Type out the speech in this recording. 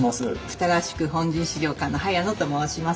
二川宿本陣資料館の早野と申します。